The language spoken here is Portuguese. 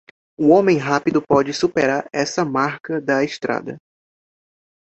Um homem rápido pode superar essa marca da estrada.